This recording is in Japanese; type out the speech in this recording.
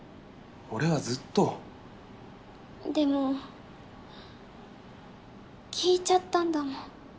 俺はずっとでも聞いちゃったんだもん